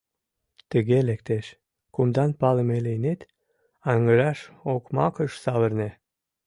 Тыге лектеш: кумдан палыме лийнет — аҥыраш, окмакыш савырне...